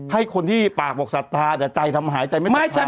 ให้คนที่ปากบอกศรัทธาแต่ใจทำหายใจไม่ได้